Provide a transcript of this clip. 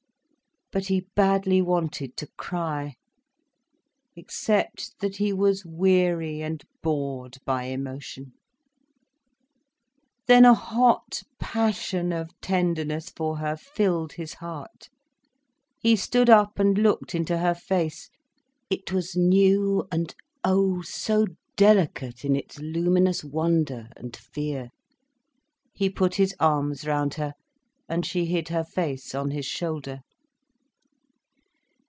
But he badly wanted to cry: except that he was weary and bored by emotion. Then a hot passion of tenderness for her filled his heart. He stood up and looked into her face. It was new and oh, so delicate in its luminous wonder and fear. He put his arms round her, and she hid her face on his shoulder.